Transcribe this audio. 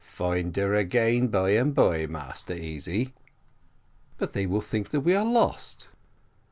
"Find her again, by and bye, Massa Easy." "But they will think that we are lost."